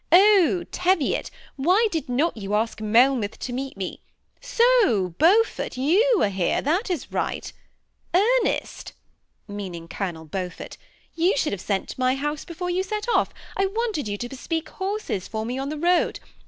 * Oh ! Teviot, why did not you ask Melmoth to meet me ? So, Beau fort, you are here; that is right, Ernest,' (meaning Colonel Beaufort,) ^ you should have sent to my house before you set off; I wanted you to bespeak horses for me on the road.